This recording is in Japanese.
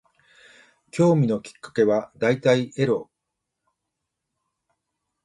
興味のきっかけは大体エロ